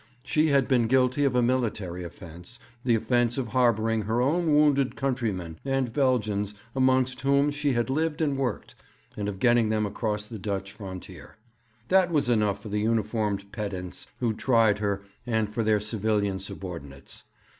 She had been guilty of a military offence the offence of harbouring her own wounded countrymen and Belgians amongst whom she had lived and worked, and of getting them across the Dutch frontier. That was enough for the uniformed pedants who tried her, and for their civilian subordinates.